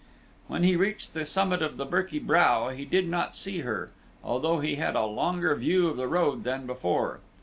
When he reached the summit of the Birky Brow he did not see her, although he had a longer view of the road than before.